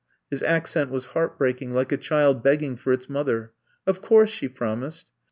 His accent was heartbreaking, like a child begging for its mother. "Of course," she promised.